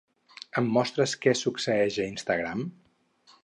Em mostres què succeeix a Instagram?